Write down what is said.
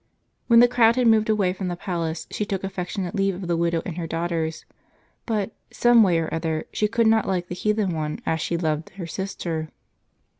When the crowd had moved away from the palace, she took affec tionate leave of the widow and her daughters ; but, some way or other, she could not like the heathen one as she loved her sister.